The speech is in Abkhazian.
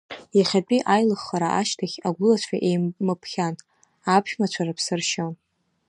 Иахатәи аилыхара ашьҭахь, агәылацәа еимыпхьан, аԥшәмацәа рыԥсы ршьон.